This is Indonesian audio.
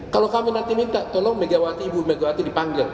kalau kami nanti minta tolong megawati ibu megawati dipanggil